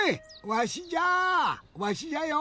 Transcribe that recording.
わしじゃよ。